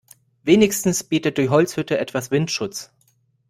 Wenigstens bietet die Holzhütte etwas Windschutz.